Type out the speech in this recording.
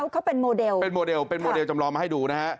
เขาเป็นโมเดลเป็นโมเดลเป็นโมเดลจำลองมาให้ดูนะฮะ